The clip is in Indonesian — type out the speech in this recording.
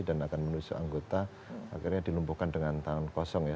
dan akan menelusur anggota akhirnya dilumpuhkan dengan tangan kosong ya